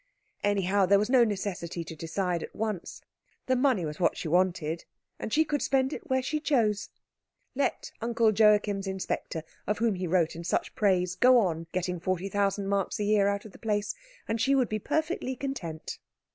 Anyhow there was no necessity to decide at once. The money was what she wanted, and she could spend it where she chose. Let Uncle Joachim's inspector, of whom he wrote in such praise, go on getting forty thousand marks a year out of the place, and she would be perfectly content.